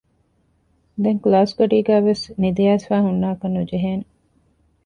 ދެން ކުލާސްގަޑީގައިވެސް ނިދިއައިސްފައި ހުންނާކަށް ނުޖެހޭނެ